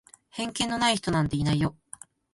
偏見のない人なんていないよ。